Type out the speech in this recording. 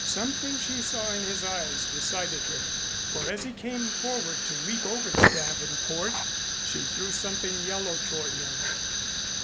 Something she saw in his eyes decided her, for as he came forward to leap over the davenport she threw something yellow toward him.